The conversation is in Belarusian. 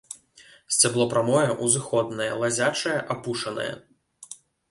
Сцябло прамое, узыходнае, лазячае, апушанае.